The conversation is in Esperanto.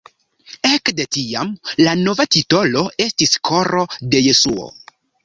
Ekde tiam la nova titolo estis Koro de Jesuo.